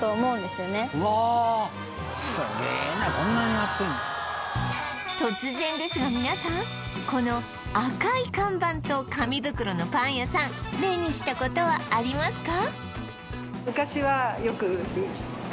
すげえなこんなに厚いんだ突然ですが皆さんこの赤い看板と紙袋のパン屋さん目にしたことはありますか？